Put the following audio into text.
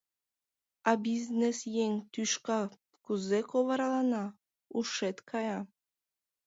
— А бизнесъеҥ тӱшка кузе ковыралана — ушет кая.